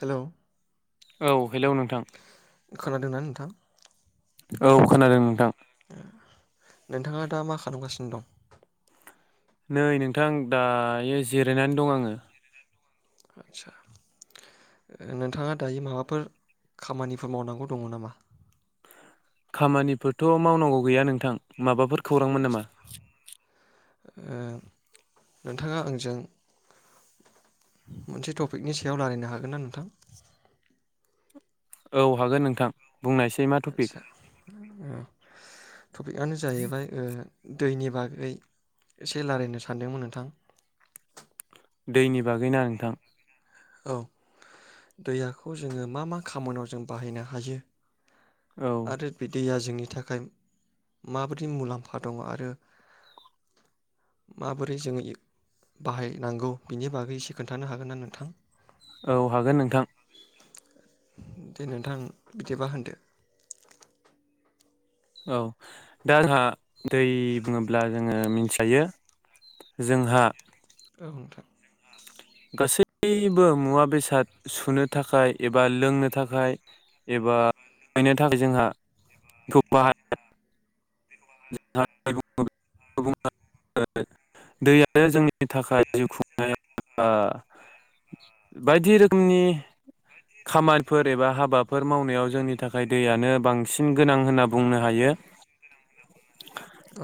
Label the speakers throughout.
Speaker 1: Hello
Speaker 2: औ hello नोंथां
Speaker 1: खोनादोंना नोंथां
Speaker 2: औ खोनादों नोंथां
Speaker 1: नोंथाङा दा मा खालामगासिनो दं
Speaker 2: नै नोंथां दायो जिरायनानै दं आङो
Speaker 1: आदसा नोंथाङा दायो माबाफोर खामानिफोर मावनांगौ दङ नामा
Speaker 2: खामानिफोरथ मावनांगौ गैया नोंथां माबाफोर खौरांमोन
Speaker 1: आदसा
Speaker 2: नामा
Speaker 1: ओ नोंथाङा आंजों मोनसे टपिकनि सायाव रायलायनो हागोन ना नोंथां
Speaker 2: औ हागोन नोंथां बुंनायसै मा टपिक
Speaker 1: आदसा टपिकआनो जाहैबाय ओ दैनि बागै एसे लारायनो सानदोंमोन नोंथां
Speaker 2: दैनि बागैना नोंथां
Speaker 1: औ दैयाखौ जोङो मा मा खामानियाव जों बाहायनो हायो
Speaker 2: औ
Speaker 1: आरो बिदैया जोंनि थाखाय माबोरै मुलाम्फा दङ आरो माबोरै जोङो बाहायनांगौ बिनि बागै एसे खोन्थानो हागोनना नोंथां
Speaker 2: औ हागोन नोंथां
Speaker 1: दे नोंथां बिदिबा होनदो
Speaker 2: औ दा आंहा दै बुङोब्ला जोङो मिथिखायो जोंहा
Speaker 1: औ नोंथां
Speaker 2: गासैबो मुवा बेसाद सुनो थाखाय एबा लोंनो थाखाय एबा गायनो थाखाय जोंहा [unintelligible] [unintelligible] दै आरो जोंनि थाखाय जिउ खुंनाया [unintelligible] बायदि रोखोमनि खामानिफोर एबा हाबाफोर मावनायाव जोंनि थाखाय दैयानो बांसिन गोनां होनना बुंनो हायो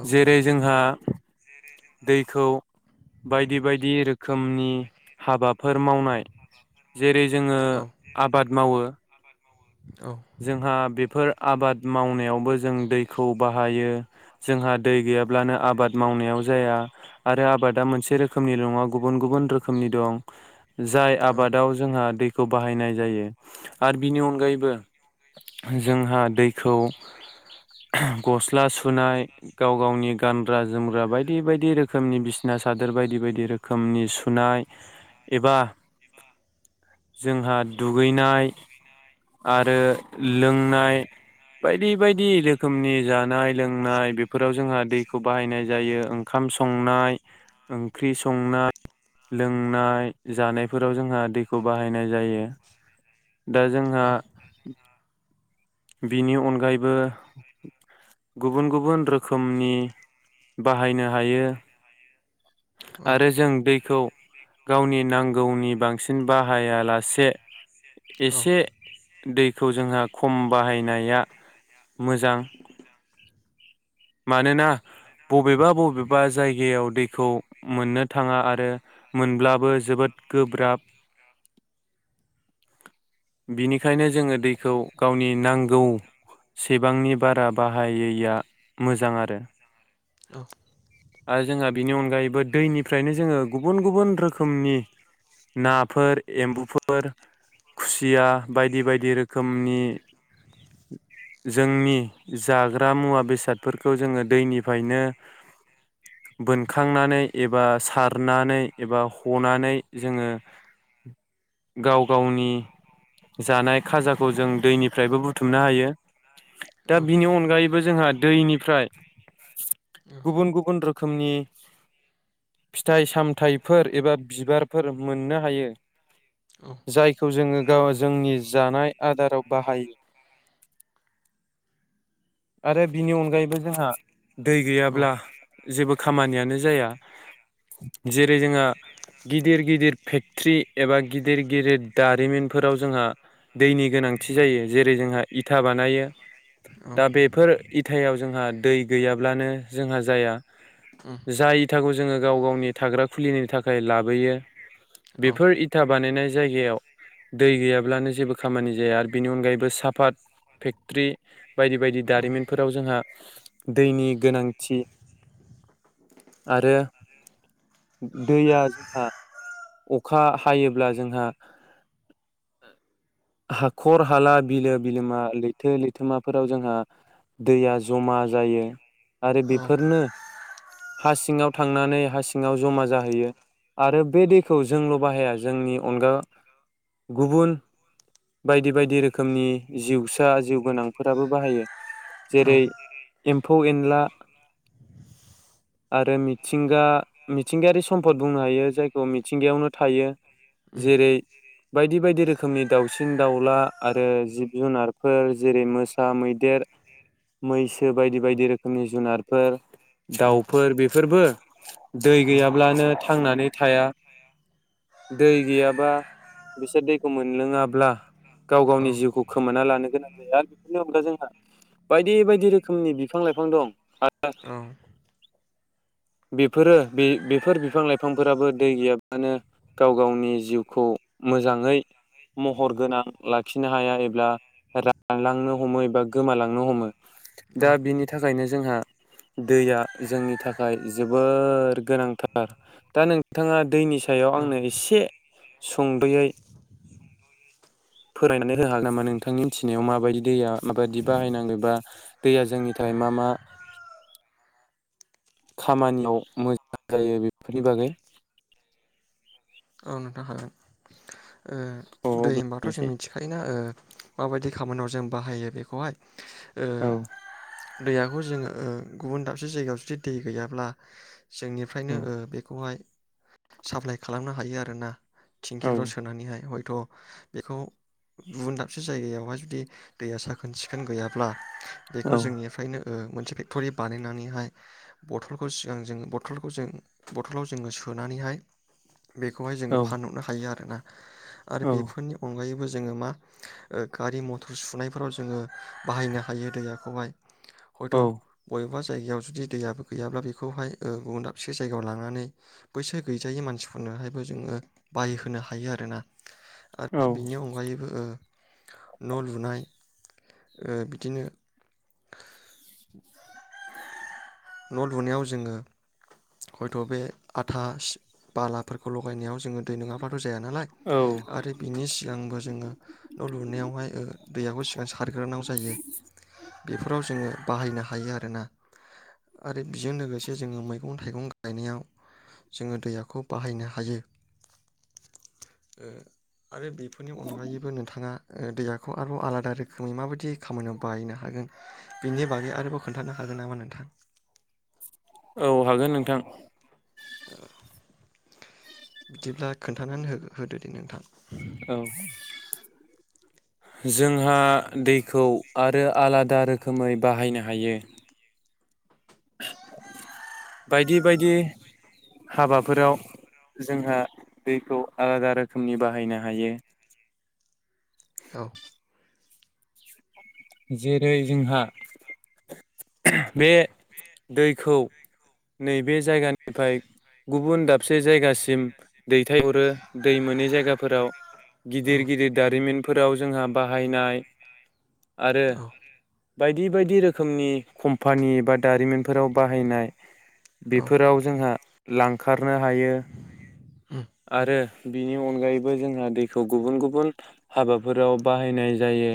Speaker 1: औ
Speaker 2: जेरै जोंहा दैखौ बायदि बायदि रो खोमनि हाबाफोर मावनाय जेरै जोङो
Speaker 1: औ
Speaker 2: आबाद मावो। जोंहा बेफोर आबाद मावनायावबो जों दैखौ बाहायो जोंहा दै गैया ब्लानो आबाद मावनायाव जाया आरो आबादा मोनसे
Speaker 1: उम
Speaker 2: रोखोमनि नङा गुबुन गुबुन रोखोमनि दं जाय
Speaker 1: औ
Speaker 2: आबादाव जोंहा दैखौ बाहायनाय जायो। आरो बिनि अनगायैबो जोंहा दैखौ गस्ला सु नाय गाव गावनि गानग्रा जोमग्रा बायदि बायदि रोखोमनि बिसिना सादोर बाय बायदि बायदि रोखोमनि सुनाय एबा जोंहा दुगैनाय आ ओ लोंनाय बायदि बाय दि रोखोमनि जानाय लोंनाय बेफोराव जोंहा दैखौ बाहायनाय जायो। ओंखाम संनाय ओंख्रि संनाय। लोंनाय जानायफोराव जोंहा दैखौ बाहायनाय जायो। दा
Speaker 1: औ
Speaker 2: जोंहा बिनि अनगायैबो गुबुन गुबुन रोखोमनि बाहायनो हायो।
Speaker 1: औ
Speaker 2: आरो जों दै खौ गावनि नांगौनि बांसिन बाहायालासे एसे दैखौ जोंहा खम बाहायनाया मोजां। मानोना बबेबा बबेबा जायगायाव दैखौ मोननो थाङा आरो मोनब्लाबो जोबोद गोब्राब। बिनि खायनो जोङो दैखौ गावनि नांगौ सेबांनि बारा बाहायैया मोजां आरो।
Speaker 1: औ
Speaker 2: आरो जोंहा बिनि अनगायैबो दैनिफ्रायनो जोङो गुबुन गुबुन रोखोमनि नाफोर एम्बुफोर खुसिया बायदि बायदि रोखोमनि जोंनि जाग्रा मुवा बेसादफोरखौ जोङो दैनिफ्रायनो बोनखांनानै एबा सारनानै एबा हनानै जोङो गाव गावनि जानाय खाजाखौ जों दैनिफ्रायबो बुथुमनो हायो। दा बिनि अनगायैबो जोंहा दैनिफ्राय गुबुन गु रोखोमनि फिथाइ साम थाइफोर एबा बिबार मोननो हायो। जायखौ जोङो गाव जोंनि जानाय आदाराव बाहायो। आरो बिनि अनगायैबो जोंहा दै गैयाब्ला जेबो खामानियानो जाया जेरै जोंहा गिदिर गिदिर फेक्ट्रि एबा गिदिर गिदिर दारिमिनफोराव जोंहा दैनि गोनांथि जायो जेरै जोंहा इथा बानायो दा बेफोर इथायाव जोंहा दै गैयाब्लानो जोंहा जाया। जाय इथाखौ जोङो गाव गावनि थाग्रा खुलिनायनि थाखाय लाबोयो।
Speaker 1: औ
Speaker 2: बेफोर इथा बानाय जायगायाव दै गैयाब्लानो जेबो खामानि जाया आरो बेनि अनगायैबो साफात फेक्ट्रि बायदि बायदि दारिमिनफोराव जोंहा दैनि गोनांथि आरो दैया जोंहा अखा हायोब्ला जोंहा हा हाखर हाला बिलो बिलोमा लैथो लैथोमाफोराव जोंहा दैया जमा जायो आरो बेफोरनो हा सिङाव थांनानै हा सिङाव जमा जाहैयो आरो बे दैखौ जोंल बाहाया जोंनि अनगा गुबुन बायदि बायदि रोखोमनि जिउसा जिउ गोनांफोराबो बाहायो जेरै एम्फौ एनला आरो मिथिंगा मिथिंगायारि सम्पद बुंनो हायो जायखौ मिथिंगायावनो थायो जेरै बायदि बायदि रोखोमनि दाउसिन दाउला आरो जिब जुनारफोर जेरै मोसा मैदेर मैसो बायदि बायदि रोखोमनि जुनारफोर दाउफोर बेफोरबो दै गैयाब्लानो थांनानै थाया। दै गैयाबा बिसोर दैखौ मोनलोङाब्ला गाव गावनि जिउखौ खोमाना लानो गोनां बेफोरनि अनगा जोंहा बायदि बायदि रोखोमनि बिफां लाइफां दं। [unintelligible] बेफोरो बे बेफोर बिफां लाइफांफोराबो दै गैयाब्लानो गाव गावनि जिउखौ मोजाङै महर गोनां लाखिनो हाया एबा रानलांनो हमो एबा गोमालांनो हमो दा बिनि थाखायनो जोंहा दैया जोंनि थाखाय जोबोर गोनांथार दा नोंथाङा दैनि सायाव
Speaker 1: औ
Speaker 2: आंनो एसे सुंदयै फोरायनानै होआागोन नामा नोंथांनि मिथिनायाव माबायदि दैया माबायदि बाहायनांगौ बा दैया जोंनि थाखाय मा मा खामानियाव मोजां जायो बेफोरनि बागै?
Speaker 1: औ नोंथां हागोन।
Speaker 2: औ
Speaker 1: दै होनबाथ
Speaker 2: अब्ला
Speaker 1: जों
Speaker 2: एसे
Speaker 1: मिथिखायोना? माबायदि खामानियाव जों बाहायो बेखौहाय ओ
Speaker 2: औ
Speaker 1: दैयाखौ जोङो गुबुन दाबसे जायगायाव जुदि दै गैयाब्ला जोंनिफ्रायनो
Speaker 2: औ
Speaker 1: ओ बेखौहाय साप्लाइ खालामनो हायो आरोना
Speaker 2: औ
Speaker 1: थिंखिफ्राव सोनानैहाय हय थ बेखौ गुबुन दाबसे जायगायावहाय जुदि दैया साखोन सिखोन गैयाब्ला
Speaker 2: औ
Speaker 1: बेखौ जोंनिफ्रायनो मोनसे फेक्टरि बानायनानैहाय बथलखौ सिगां जो बथलखौ जों बथलाव जोङो सोनानैहाय बेखौहाय
Speaker 2: औ
Speaker 1: जोङो फानहरनो हायो आरो। [inaudible] आरो
Speaker 2: औ
Speaker 1: बेफोरनि अनगायैबो जोङो मा गारि मथर सुनायफोराव जोङो बाहायनो हायो दैयाखौहाय हयथ बबेबा जायगायाव जुदि दैयाबो गैयाब्ला बेखौहाय गुबुन दाबसे जायगायाव लांनानै बैसो गैजायो मानसि फनोहायबो जोङो बायहोनो हायो आरो ना आरो
Speaker 2: औ
Speaker 1: बिनि अनगायैबो ओ न' लुनाय ओ बिदिनो [inaudible] न' लुनायाव जोंङो हयथ' बे आथा सि बालाफोरखौ लगायनायाव जोङो दै नङाबा थ नालाय
Speaker 2: औ
Speaker 1: आरो बिनि सिगांबो जोङो न' लुनायावहाय ओ दैआखौ सिगां सारग्रोनांगौ जायो। बेफोराव जोङो बाहायनो हायो आरोना आरो बेजों लोगोसे जोङो मै गं थाइगं गायनायाव जोङो दैयाखौ बाहायनो हायो ओ आरो बेफोरनि अनगायैबो नोंथाङा ओ दैयाखौ आरोबाव आलादा रोखोमै माबायदि खामानियाव बायनो हागोन बिनि बागै आरोबाव खोन्थानो हागोन नामा नोंथां?
Speaker 2: औ हागोन नोंथां।
Speaker 1: ओ बिदिब्ला खोन्थानानै होगो होदो दे नोंथां
Speaker 2: औ जोंहा दैखौ आरो आलादा रोखोमै बाहायनो हायो बायदि बायदि हाबाफोराव जोंहा दैखौ आलादा रोखोमनि बाहायनो हायो
Speaker 1: औ
Speaker 2: जेरै जोंहा बे दैखौ नैबे जायगानिफ्राय गुबुन दाबसे जायगासिम दैथायहरो दै मोनै जायगाफोराव
Speaker 1: औ
Speaker 2: गिदिर गिदिर दारिमिनफोराव जोंहा बाहायनाय आरो
Speaker 1: औ
Speaker 2: बायदि बायदि रोखोमनि कम्पानि एबा दारिमिनफोराव बाहायनाय
Speaker 1: औ
Speaker 2: बेफोराव जोंहा लांखार रनो हायो
Speaker 1: उम
Speaker 2: आरो बिनि अनगायैबो जोंहा दैखौ गुबुन गुबुन हाबाफोराव बाहायनाय जायो।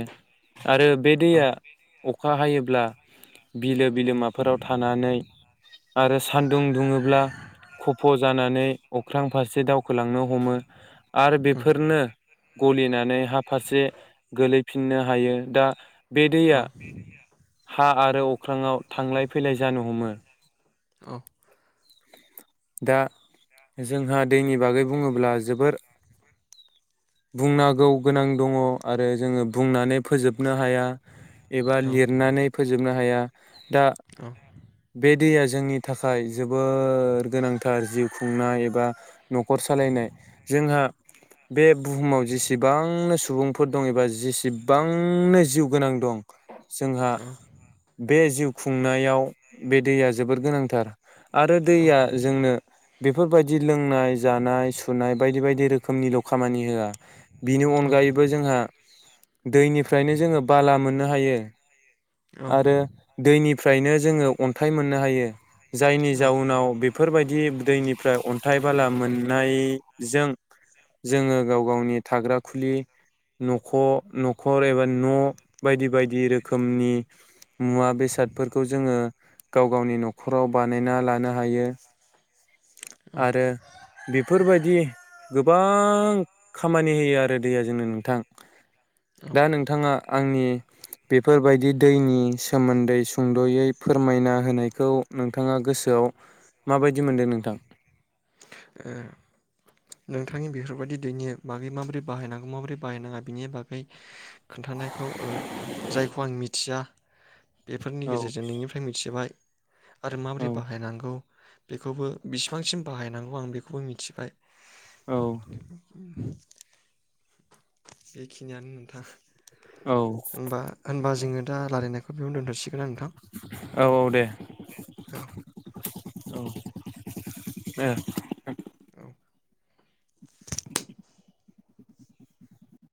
Speaker 2: आरो बे
Speaker 1: औ
Speaker 2: दैया अखा हायोब्ला बिलो बिलोमाफोराव थानानै आरो सान्दुं दुङोब्ला खफ' जानानै अख्रां फार से दावखोलांनो हमो आरो
Speaker 1: उम
Speaker 2: बेफोरनो गलिनानै हा फारसे गोलैफिननो हायो दा बे
Speaker 1: औ
Speaker 2: दैया हा आरो अख्राङाव थांलाय फैलाय जानो हमो।
Speaker 1: औ
Speaker 2: दा जोंहा दैनि बागै बुङोब्ला जोबोर बुंनागौ गोनां दङ आरो जोङो बुंनानै फोजोबनो हाया एबा
Speaker 1: औ
Speaker 2: लिरनानै फोजोबनो हाया। दा बे दैया जोंनि थाखाय जोबोर गोनांथार जिउ खुंनाय एबा न'खर सालायनाय जोंहा बे बुहुमाव जेसेबांनो सुबुंफोर दं एबा जेसेबांनो जिउ गोनां दं जोंहा बे जिउ खुंनायाव बे दैया जोबोद गोनांथार। आरो
Speaker 1: औ।
Speaker 2: बेफोरबायदि लोंनाय‌ जानाय सुनाय बायदि बायदि रोखोमनिल' खामानि होया बिनि अनायैबो जोंहा दैनिफ्रायनो जोङो बाला मोननो हायो
Speaker 1: ओ
Speaker 2: आरो दैनिफ्रायनो जोङो अन्थाइ मोननो हायो जायनि जाउनाव बे बेब दैनिफ्राय अन्थाइ बाला मोननायजों जोङो गाव गावनि थाग्रा खुलि नख' न'खर एबा न' बायदि बाय बायदि रोखोमनि मुवा बेसाद फोरखौ जोङो गाव गावनि न'खराव बानायना लानो हायो। आरो बेफोरबायदि गोबां खामानि होयो आरो दैया जोंनो नोंथां। दा नोंथाङा आंनि बेफोरबायदि दैनि सोमोन्दै सुंद'यै फोरमायना होनायखौ नोंथाङा गोसोआव माबायदि मोनदों नोंथां
Speaker 1: ओ नोंथांनि बेफोरबायदि दैनि बागै माबोरै बाहायनांगौ माबोरै बाहायनाङा बिनि बागै खोन्थानायखौ ओ जायखौ आं मिथिया बेफोरनि
Speaker 2: औ
Speaker 1: गेजेरजों नोंनिफ्राय मिथिबाय। आरो माबोरै
Speaker 2: औ
Speaker 1: बाहायनांगौ बेखौबो बिसिबांसिम बाहायनांगौ आं बेखौबो मिथिबाय
Speaker 2: औ।
Speaker 1: बेखिनियानो नोंथां।
Speaker 2: औ
Speaker 1: होमबा होनबा जोङो दा रालायनायखौ बेयाव दोनथ'सिगोन।
Speaker 2: औ औ दे
Speaker 1: [unintelligible] औ।
Speaker 2: औ दे नोंथां।
Speaker 1: औ।